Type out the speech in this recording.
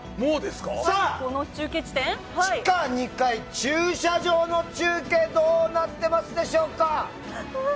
さあ地下２階駐車場の中継どうなってますでしょうか。